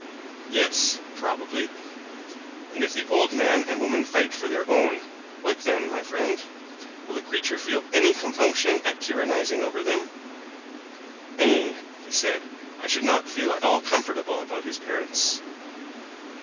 Yes, probably. And if the old man and woman fight for their own, what then, my friend? Will the creature feel any compunction at tyrannizing over them? Nay, he said, I should not feel at all comfortable about his parents.